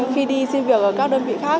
khi đi xin việc ở các đơn vị khác